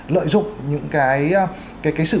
lợi dụng những cái sự